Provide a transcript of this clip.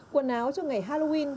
quần áo cho ngày halloween